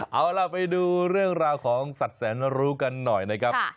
เอาล่ะไปดูเรื่องราวของสัตว์แสนรู้กันหน่อยนะครับ